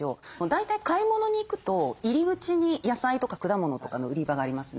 大体買い物に行くと入り口に野菜とか果物とかの売り場がありますね。